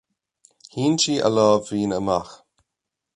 Shín sí a lámh mhín amach.